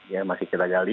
ya masih kita gali